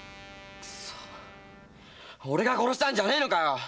俺が殺したんじゃねえのかよ